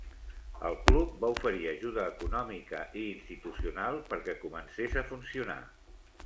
El club va oferir ajuda econòmica i institucional perquè comencés a funcionar.